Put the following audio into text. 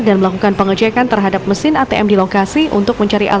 dan melakukan pengecekan terhadap mesin atm di lokasi untuk mencari alat